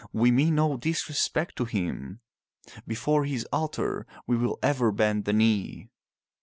We mean no disrespect to him. Before his altar we will ever bend the knee."